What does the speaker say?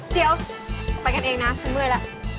เดี๋ยวไปกันเองนะฉันเมื่อยแล้ว